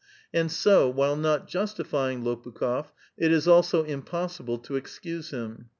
And so, while not justifying Ix)pukh6f, it is also impossible to excuse hiin.